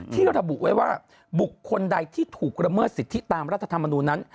ที่ระบุไว้ว่าบุคคลใดที่ถูกละเมิดสิทธิตามรัฐธรรมนูญนั้น